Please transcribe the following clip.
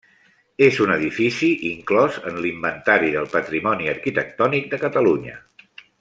És un edifici inclòs en l'Inventari del Patrimoni Arquitectònic de Catalunya.